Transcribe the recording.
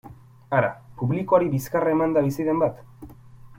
Hara, publikoari bizkarra emanda bizi den bat?